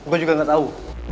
gue juga nggak tahu